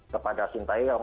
kepada shinta yang